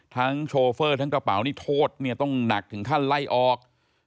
โชเฟอร์ทั้งกระเป๋านี่โทษเนี่ยต้องหนักถึงขั้นไล่ออก